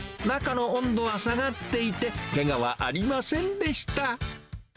中の温度は下がっていて、けがはありませんでした。